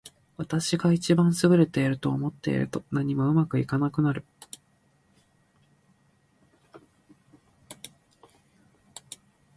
私が一番優れていると思っていると、何もうまくいかなくなる。